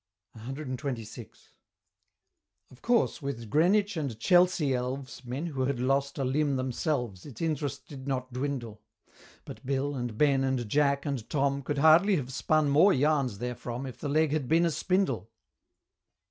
CXXVI. Of course with Greenwich and Chelsea elves, Men who had lost a limb themselves, Its interest did not dwindle But Bill, and Ben, and Jack, and Tom Could hardly have spun more yarns therefrom, If the leg had been a spindle.